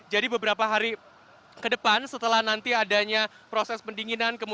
jadi beberapa hari ke depan setelah nanti adanya proses pendinginan